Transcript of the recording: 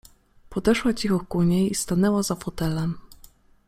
Podeszła cicho ku niej i stanęła za fotelem.